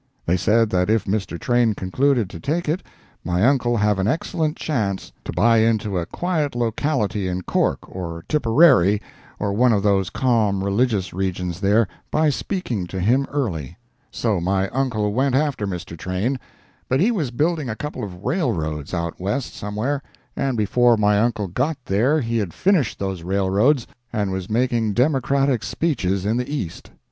They said that if Mr. Train concluded to take it, my uncle have an excellent chance to buy into a quiet locality in Cork, or Tipperary, or one of those calm, religious regions there, by speaking to him early. So my uncle went after Mr. Train, but he was building a couple of railroads out West, somewhere, and before my uncle got there he had finished those railroads and was making Democratic speeches in the East.